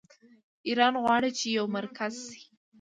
ایران غواړي چې یو مرکز شي.